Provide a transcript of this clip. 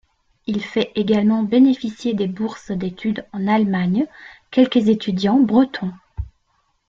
Il fait également bénéficier de bourses d’études en Allemagne quelques étudiants bretons.